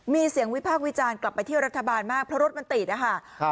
มีเสียงวิภาควิจารณ์กลับไปที่รัฐบาลมากพระรถมันติดอ่ะค่ะครับ